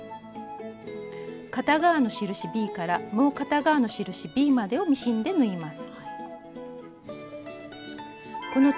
片側の印ｂからもう片側の印ｂまでをミシンで縫います。